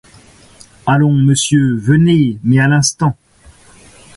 Allons, monsieur, venez, mais à l'instant.